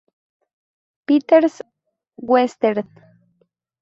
Peters Western.